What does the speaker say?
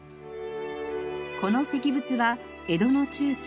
この石仏は江戸の中期